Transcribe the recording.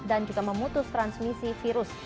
dan juga memutus transmisi virus